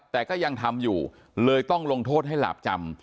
แต่ก็ยังทำอยู่เลยต้องลงโทษให้หลาบจำ